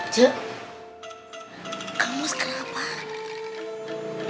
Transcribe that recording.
cuk kamu sekarang apa